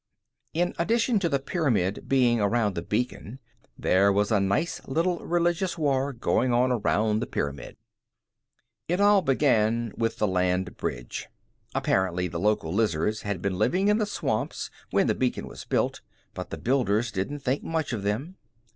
In addition to the pyramid being around the beacon, there was a nice little religious war going on around the pyramid. It all began with the land bridge. Apparently the local lizards had been living in the swamps when the beacon was built, but the builders didn't think much of them.